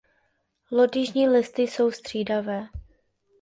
Lodyžní listy jsou střídavé.